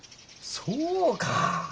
そうか。